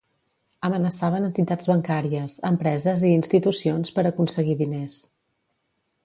Amenaçaven entitats bancàries, empreses i institucions per aconseguir diners.